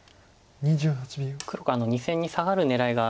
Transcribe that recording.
黒が２線にサガる狙いが。